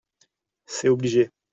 C’est obligé.